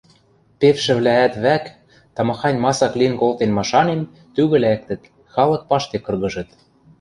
Певшӹвлӓӓт вӓк, тамахань масак лин колтен машанен, тӱгӹ лӓктӹт, халык паштек кыргыжыт.